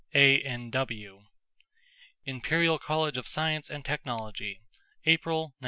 A. N. W. IMPERIAL COLLEGE OF SCIENCE AND TECHNOLOGY. April, 1920.